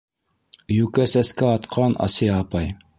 - Йүкә сәскә атҡан, Асия апай!